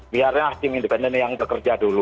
biarlah tim independen yang bekerja dulu